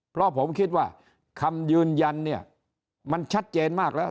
เพราะผมคิดว่าคำยืนยันเนี่ยมันชัดเจนมากแล้ว